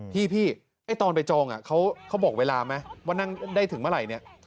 พี่ไอ้ตอนไปจองเขาบอกเวลาไหมว่านั่งได้ถึงเมื่อไหร่เนี่ย